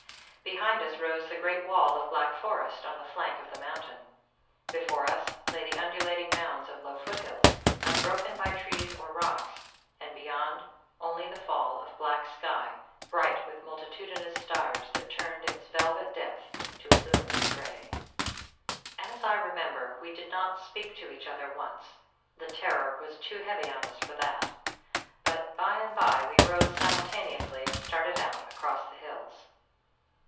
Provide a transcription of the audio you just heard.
Behind us rose the great wall of black forest on the flank of the mountain: before us lay the undulating mounds of low foothills, unbroken by trees or rocks, and beyond, only the fall of black sky bright with multitudinous stars that turned its velvet depth to a luminous gray. "As I remember, we did not speak to each other once: the terror was too heavy on us for that, but by and by we rose simultaneously and started out across the hills.